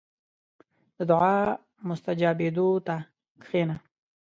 • د دعا مستجابېدو ته کښېنه.